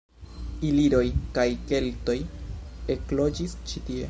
Iliroj kaj keltoj ekloĝis ĉi tie.